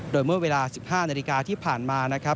โดยเมื่อเวลา๑๕นาฬิกาที่ผ่านมานะครับ